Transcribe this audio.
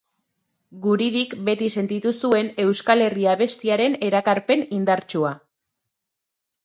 Guridik beti sentitu zuen euskal herri abestiaren erakarpen indartsua.